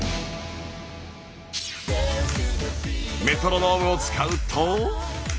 メトロノームを使うと。